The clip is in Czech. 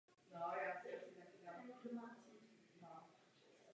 V minulosti postihlo Peru řada silných zemětřesení.